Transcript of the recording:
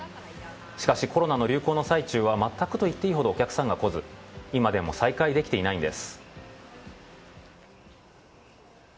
しかしコロナの流行の最中はまったくと言っていいほどお客さんが来ず今でも再開できていないんです。